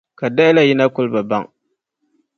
Ka daɣila yi na kul bi baŋ?